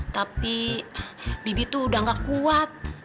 tapi bibit tuh udah gak kuat